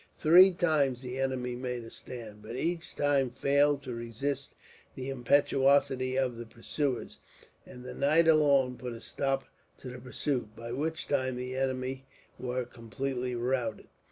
Three times the enemy made a stand, but each time failed to resist the impetuosity of the pursuers, and the night alone put a stop to the pursuit, by which time the enemy were completely routed.